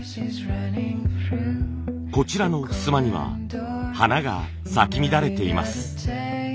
こちらのふすまには花が咲き乱れています。